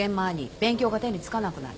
勉強が手に付かなくなる。